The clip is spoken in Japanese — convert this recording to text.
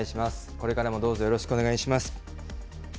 これからもどうぞよろしくお願いします。